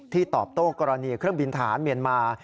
ตอบโต้กรณีเครื่องบินทหารเมียนมา